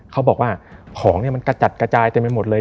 เขาบอกว่าของกระจัดกระจายเต็มไปหมดเลย